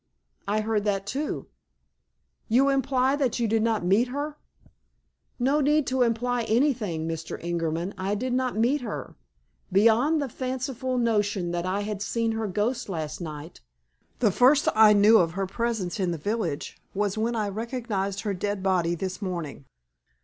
"I heard that, too." "You imply that you did not meet her?" "No need to imply anything, Mr. Ingerman. I did not meet her. Beyond the fanciful notion that I had seen her ghost last night, the first I knew of her presence in the village was when I recognized her dead body this morning."